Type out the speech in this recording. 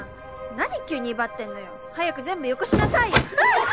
何急にいばってんのよ早く全部よこしなさいよあっ！